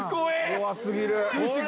怖すぎる。